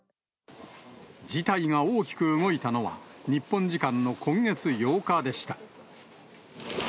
事態が大きく動いたのは、日本時間の今月８日でした。